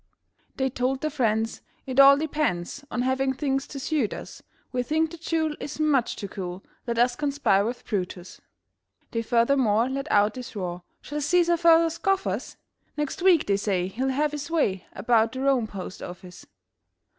They told their friends: "It all depends On having things to suit us. We think that Jule is much too cool; Let us conspire with Brutus." They furthermore let out this roar: "Shall Cæsar further scoff us? Next week, they say, he'll have his way About the Rome postoffice."